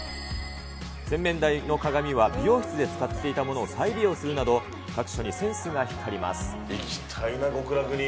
洗面台の鏡は、美容室で使っていたものを再利用するなど各所にセ行きたいな、極楽に。